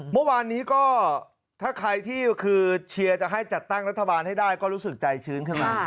เมื่อวานนี้ก็ถ้าใครที่คือเชียร์จะให้จัดตั้งรัฐบาลให้ได้ก็รู้สึกใจชื้นขึ้นมา